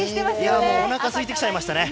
おなかすいてきちゃいましたね。